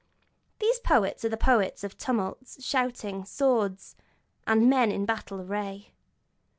These poets are the poets of 'tumults, shouting, swords, and men in battle array.'